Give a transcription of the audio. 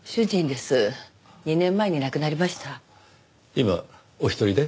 今お一人で？